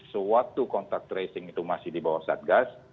sewaktu kontak tracing itu masih di bawah satgas